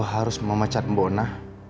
aku harus memacat mbak ona